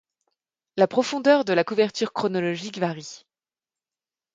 La profondeur de la couverture chronologique varie.